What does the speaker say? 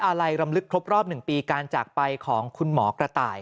อะไรรำลึกครบรอบ๑ปีการจากไปของคุณหมอกระต่าย